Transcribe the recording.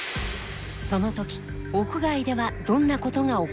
その時屋外ではどんなことが起こるのか。